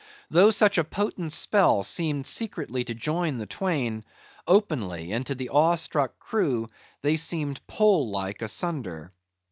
Though such a potent spell seemed secretly to join the twain; openly, and to the awe struck crew, they seemed pole like asunder.